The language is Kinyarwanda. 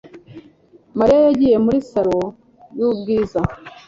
Mariya yagiye muri salon yubwiza